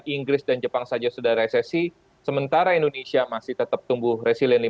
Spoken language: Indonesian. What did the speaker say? bahkan inggris dan jepang saja sudah resesi sementara indonesia masih tetap tumbuh resiliensi lima